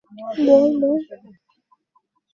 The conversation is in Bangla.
সাধারণত কয়টি অ্যামিনো এসিড প্রোটিন গঠনে অংশগ্রহণ করে?